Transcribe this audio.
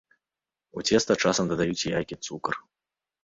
У цеста часам дадаюць яйкі, цукар.